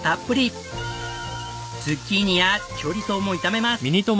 ズッキーニやチョリソーも炒めます。